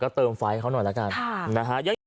ก็เติมไฟเขาหน่อยละกันนะคะค่ะ